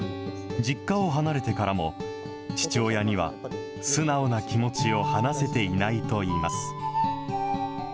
実家を離れてからも、父親には素直な気持ちを話せていないといいます。